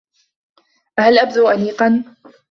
أهل أبدو أنيقا؟